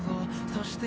「そして